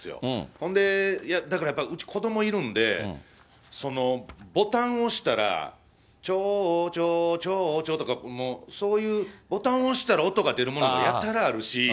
ほんで、だからやっぱりうち、子どもいるんで、ボタン押したら、ちょうちょちょうちょとか、もうそういうボタンを押したら音が出るものって、やたらあるし。